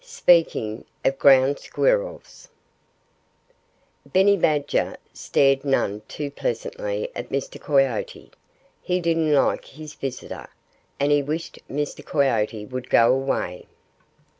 V SPEAKING OF GROUND SQUIRRELS Benny Badger stared none too pleasantly at Mr. Coyote. He didn't like his visitor. And he wished Mr. Coyote would go away.